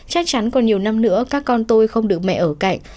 chắc chắn còn nhiều năm nữa các con tôi không được mẹ ở cạnh